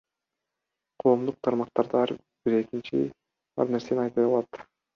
Коомдук тармактарда ар бир экинчи ар нерсени айта алат.